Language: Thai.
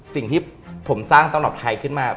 สิ่งที่ผมสร้างตำรับไทยขึ้นมา